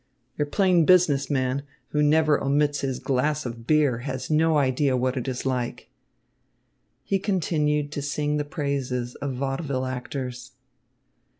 Your plain business man, who never omits his glass of beer, has no idea what it is like." He continued to sing the praises of vaudeville actors.